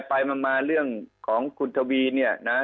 ไปมาเรื่องของคุณทวีเนี่ยนะ